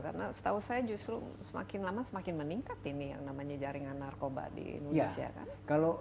karena setahu saya justru semakin lama semakin meningkat ini yang namanya jaringan narkoba di indonesia